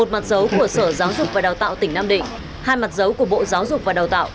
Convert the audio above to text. một mặt dấu của sở giáo dục và đào tạo tỉnh nam định hai mặt dấu của bộ giáo dục và đào tạo